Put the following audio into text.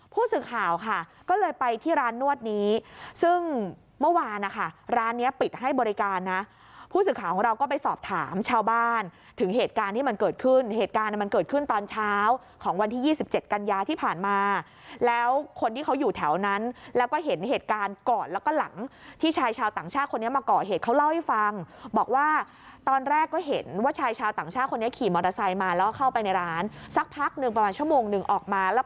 ผู้สึกข่าวค่ะก็เลยไปที่ร้านนวดนี้ซึ่งเมื่อวานนะคะร้านนี้ปิดให้บริการนะผู้สึกข่าวเราก็ไปสอบถามชาวบ้านถึงเหตุการณ์ที่มันเกิดขึ้นเหตุการณ์มันเกิดขึ้นตอนเช้าของวันที่๒๗กันยาที่ผ่านมาแล้วคนที่เขาอยู่แถวนั้นแล้วก็เห็นเหตุการณ์ก่อนแล้วก็หลังที่ชายชาวต่างชาติคนนี้มาก่อเหตุเขาเล่าให้ฟังบอก